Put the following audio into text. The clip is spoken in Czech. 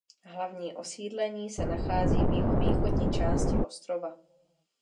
Hlavní osídlení se nachází v jihovýchodní části ostrova.